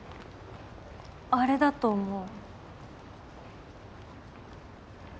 あれだと思う。